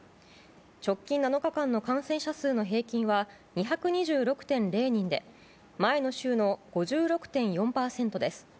直近７日間の感染者数の平均は２２６．０人で前の週の５６．４％です。